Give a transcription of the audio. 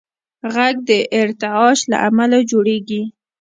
غږ د ارتعاش له امله جوړېږي.